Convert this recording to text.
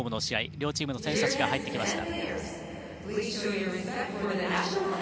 両チームの選手たちが入ってきました。